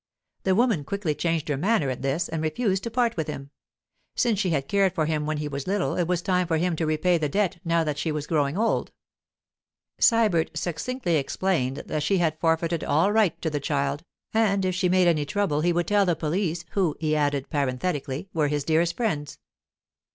The woman quickly changed her manner at this, and refused to part with him. Since she had cared for him when he was little, it was time for him to repay the debt now that she was growing old. Sybert succinctly explained that she had forfeited all right to the child, and that if she made any trouble he would tell the police, who, he added parenthetically, were his dearest friends.